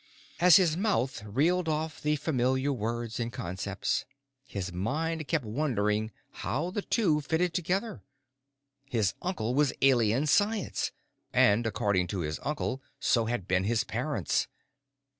As his mouth reeled off the familiar words and concepts, his mind kept wondering how the two fitted together. His uncle was Alien Science, and, according to his uncle, so had been his parents.